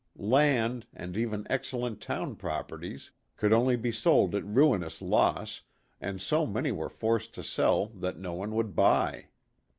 Land, and even excellent town properties, could only be sold at ruinous loss and so many were forced to sell that no one would buy.